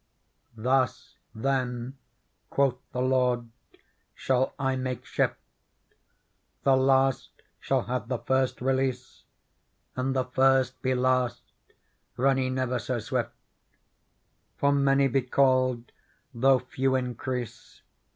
Thus then/ quoth the lord, * shall I make shift : The last shall have the first release. And the first be last, run he never so swift ; For many be called, though few encrease.